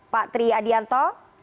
pak tri adianto